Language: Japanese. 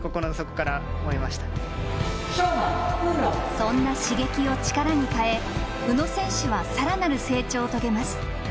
そんな刺激を力に変え宇野選手はさらなる成長を遂げます。